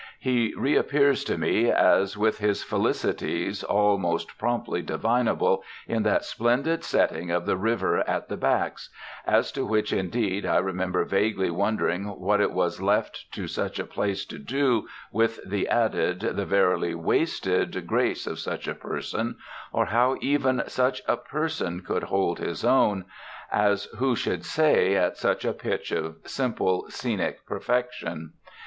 He reappears to me as with his felicities all most promptly divinable, in that splendid setting of the river at the "backs"; as to which indeed I remember vaguely wondering what it was left to such a place to do with the added, the verily wasted, grace of such a person, or how even such a person could hold his own, as who should say, at such a pitch of simple scenic perfection.